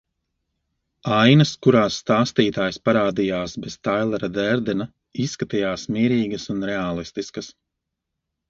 Ainas, kurās Stāstītājs parādījās bez Tailera Dērdena, izskatījās mierīgas un reālistiskas.